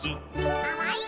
かわいい？